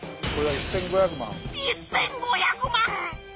１，５００万！